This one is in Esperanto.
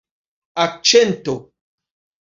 akĉento